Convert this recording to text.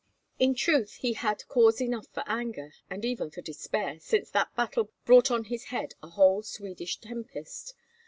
In truth he had cause enough for anger, and even for despair, since that battle brought on his head a whole Swedish tempest.